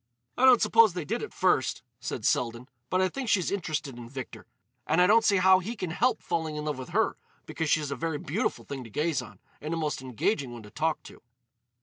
"I don't suppose they did at first," said Selden. "But I think she's interested in Victor. And I don't see how he can help falling in love with her, because she's a very beautiful thing to gaze on, and a most engaging one to talk to."